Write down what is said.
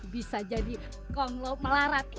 bisa jadi konglo melarat